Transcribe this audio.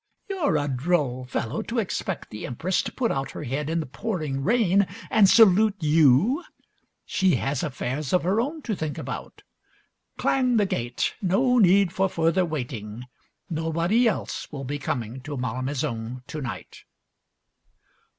You're a droll fellow, to expect the Empress to put out her head in the pouring rain and salute you. She has affairs of her own to think about. Clang the gate, no need for further waiting, nobody else will be coming to Malmaison to night.